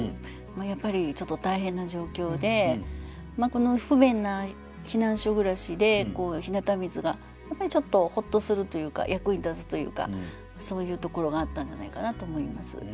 やっぱりちょっと大変な状況でこの不便な避難所暮らしで日向水がやっぱりちょっとホッとするというか役に立つというかそういうところがあったんじゃないかなと思います。